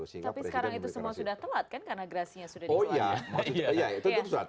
tapi sekarang itu semua sudah telat kan karena gerasinya sudah dikeluarkan